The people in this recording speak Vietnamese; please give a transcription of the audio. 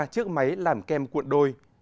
chiếc máy làm kem cuộn đôi